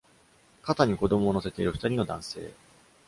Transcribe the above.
肩に子供を乗せている二人の男性。